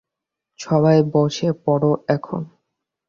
সবাই বসে পড় এখন।